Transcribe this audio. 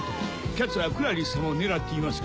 きゃつはクラリスさまを狙っています